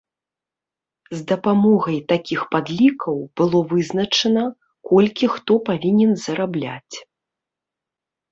З дапамогай такіх падлікаў было вызначана, колькі хто павінен зарабляць.